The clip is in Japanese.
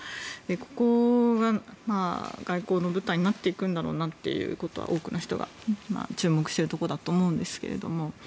ここが外交の舞台になっていくんだろうなということは多くの人が注目しているところだと思うんですけど。